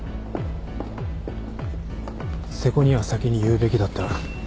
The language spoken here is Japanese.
瀬古には先に言うべきだった。